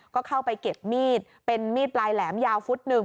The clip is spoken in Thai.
ก็เข้าไปเก็บมีดเป็นมีดปลายแหลมยาวฟุตหนึ่ง